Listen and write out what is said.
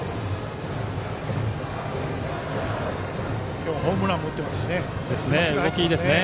今日はホームランも打っていますし動きがいいですね。